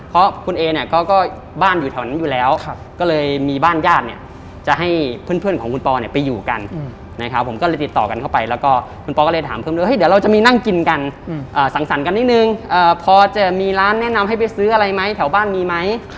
เพราะคุณเอเนี่ยเขาก็บ้านอยู่แถวนั้นอยู่แล้วก็เลยมีบ้านญาติเนี่ยจะให้เพื่อนของคุณปอเนี่ยไปอยู่กันนะครับผมก็เลยติดต่อกันเข้าไปแล้วก็คุณปอก็เลยถามเพิ่มด้วยเดี๋ยวเราจะมีนั่งกินกันสั่งสรรค์กันนิดนึงพอจะมีร้านแนะนำให้ไปซื้ออะไรไหมแถวบ้านมีไหม